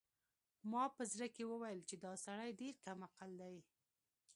ما په زړه کې وویل چې دا سړی ډېر کم عقل دی.